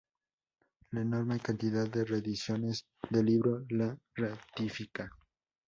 La enorme cantidad de reediciones del libro lo ratifica.